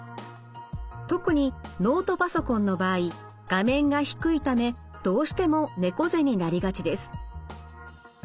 特にノートパソコンの場合画面が低いためどうしても猫背になりがちです。